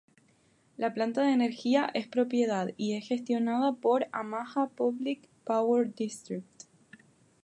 La planta de energía es propiedad y es gestionada por Omaha Public Power District.